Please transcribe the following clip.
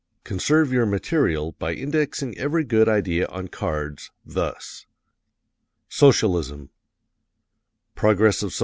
Conserve your material by indexing every good idea on cards, thus: [HW: Socialism Progress of S.